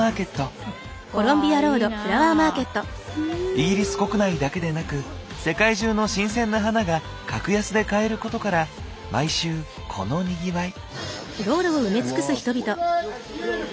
イギリス国内だけでなく世界中の新鮮な花が格安で買えることから毎週このにぎわい。